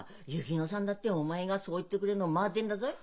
薫乃さんだってお前がそう言ってくれるのを待ってんだぞい。